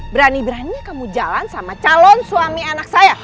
berani beraninya kamu jalan sama calon suami anak saya